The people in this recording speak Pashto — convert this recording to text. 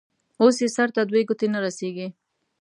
اوس يې سر ته دوې گوتي نه رسېږي.